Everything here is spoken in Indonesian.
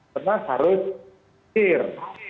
sebenarnya harus tir